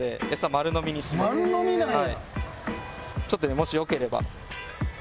ちょっともしよければ。